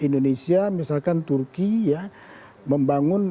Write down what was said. indonesia misalkan turki ya